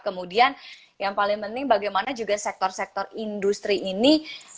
kemudian yang paling penting bagaimana juga sektor sektor industri ini